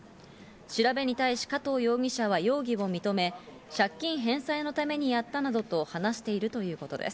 調べに対し、加藤容疑者は容疑を認め、借金返済のためにやったなどと話しているということです。